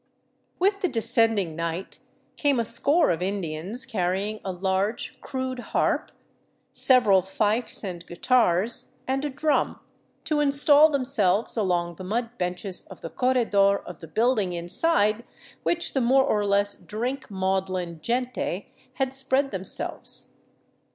With the descending night came a score of Indians carrying a large, crude harp, several fifes and guitars, and a drum, to install themselves along the mud benches of the corredor of the building inside which the more or less drink maudlin gente had spread themselves.